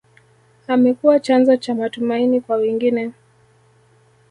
amekuwa chanzo cha matumaini kwa wengine